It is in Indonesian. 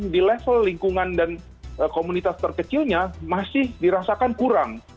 di level lingkungan dan komunitas terkecilnya masih dirasakan kurang